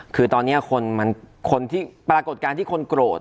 คือตอนนี้คนที่ปรากฏการณ์ที่คนโกรธ